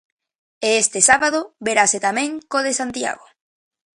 E este sábado verase tamén co de Santiago.